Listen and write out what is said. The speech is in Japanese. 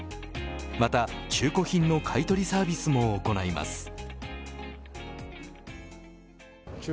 また中古品の買い取りサービスも行います。